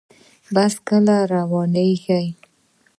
بس کله روانیږي؟